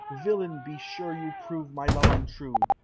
"Villain, be sure you prove my love untrue!